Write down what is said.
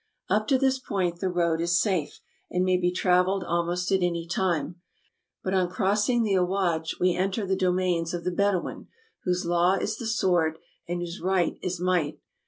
Up to this point the road is safe, and may be traveled almost at any time ; but on crossing the Awaj we enter the domains of the Bedouin, whose law is the sword, and whose right is might.